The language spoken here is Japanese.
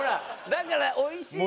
だからおいしい。